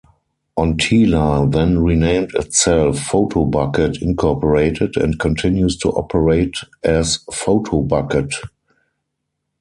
Ontela then renamed itself Photobucket Incorporated and continues to operate as Photobucket.